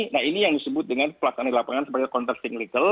nah ini yang disebut dengan pelaksanaan lapangan sebagai kontrak siklikal